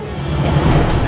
saya merasa bad